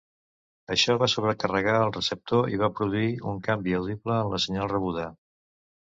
Això va sobrecarregar el receptor i va produir un canvi audible en la senyal rebuda.